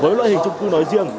với loại hình trung cư nói riêng